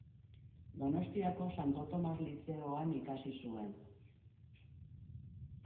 Donostiako Santo Tomas Lizeoan ikasi zuen.